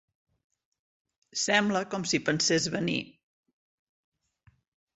Sembla com si pensés venir.